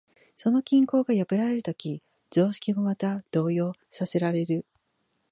その均衡が破られるとき、常識もまた動揺させられる。